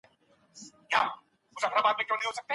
پوهه د ټولنیز پرمختګ کیلي ده.